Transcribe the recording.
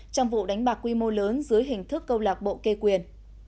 trong vụ đánh bạc quy mô lớn dưới hình thức câu lạc bộ kê quyền